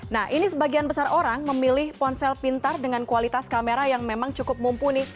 nah ini sebagian besar orang memilih ponsel pintar dengan kualitas kamera yang memang cukup mumpuni